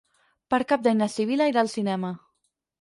Per Cap d'Any na Sibil·la irà al cinema.